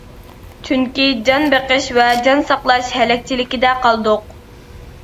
چۈنكى جان بېقىش ۋە جان ساقلاش ھەلەكچىلىكىدە قالدۇق.